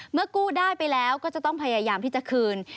เมื่อกู้ได้ไปแล้วก็จะต้องพยายามที่จะคืน